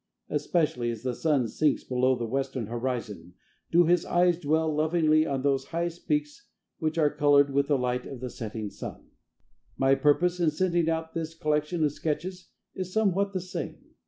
Especially as the sun sinks below the western horizon do his eyes dwell lovingly on those highest peaks which are colored with the light of the setting sun. My purpose in sending out this collection of sketches is somewhat the same.